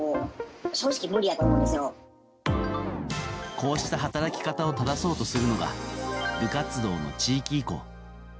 こうして働き方を正そうとするのが部活動の地域移行。